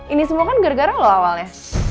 ini semua kan gara gara loh awalnya